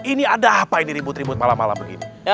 ini ada apa ini ribut ribut malam malam ini